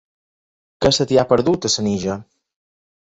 Què se t'hi ha perdut, a Senija?